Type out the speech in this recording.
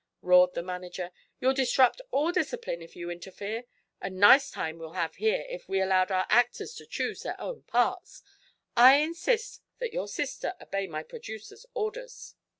roared the manager. "You'll disrupt all discipline if you interfere. A nice time we'd have here, if we allowed our actors to choose their own parts! I insist that your sister obey my producer's orders."